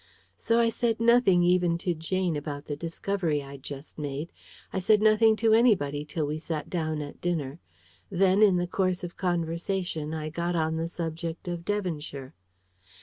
So I said nothing even to Jane about the discovery I'd just made. I said nothing to anybody till we sat down at dinner. Then, in the course of conversation, I got on the subject of Devonshire.